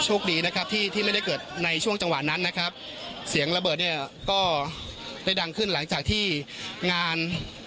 ดีนะครับที่ที่ไม่ได้เกิดในช่วงจังหวะนั้นนะครับเสียงระเบิดเนี่ยก็ได้ดังขึ้นหลังจากที่งาน